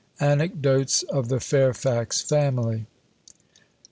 ANECDOTES OF THE FAIRFAX FAMILY.